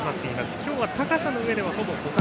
今日は高さのうえではほぼ互角。